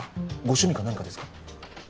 ご趣味か何かですか？